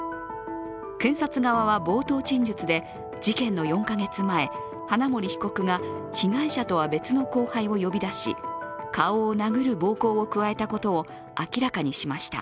検察側は冒頭陳述で、事件の４か月前、花森被告が被害者とは別の後輩を呼び出し顔を殴る暴行を加えたことを明らかにしました。